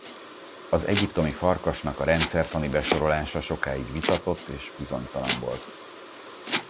Az egyiptomi farkasnak a rendszertani besorolása sokáig vitatott és bizonytalan volt.